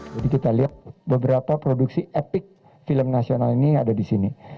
kita lihat beberapa produksi epic film nasional ini ada di sini